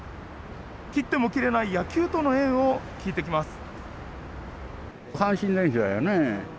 切っても切れない野球との縁を聞いてきます。